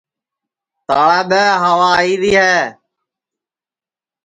تاݪا دؔے ہوا آئیری ہے